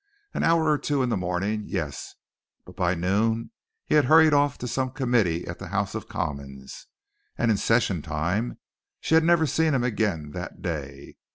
An hour or two in the morning yes, but by noon he had hurried off to some Committee at the House of Commons, and in session time she had never seen him again that day.